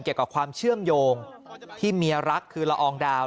เกี่ยวกับความเชื่อมโยงที่เมียรักคือละอองดาว